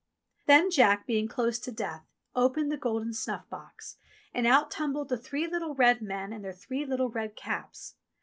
Then Jack being close to death opened the golden snuff box, and out tumbled the three little red men in their three little red caps.